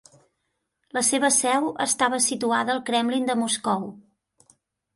La seva seu estava situada al Kremlin de Moscou.